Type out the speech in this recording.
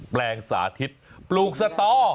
แปลงสาธิตปลูกสตอ